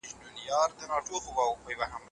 که په ټولنه کې یووالی وي، نو جګړه نه وي.